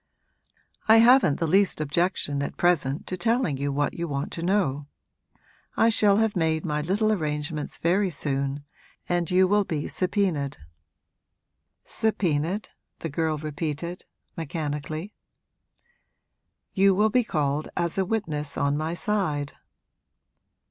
'I haven't the least objection at present to telling you what you want to know. I shall have made my little arrangements very soon and you will be subpoenaed.' 'Subpoenaed?' the girl repeated, mechanically. 'You will be called as a witness on my side.'